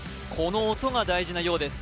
この音が大事なようです